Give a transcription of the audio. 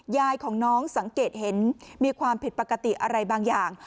ยายของน้องสังเกตเห็นมีความผิดปกติอะไรบางอย่าง